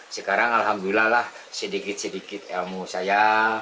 sekarang alhamdulillah lah sedikit sedikit ilmu saya